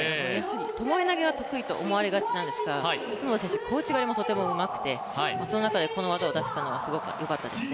ともえ投げが得意と思われがちなんですが角田選手、小内刈りもうまくて、その中でこの技を出せたのはすごくよかったですね。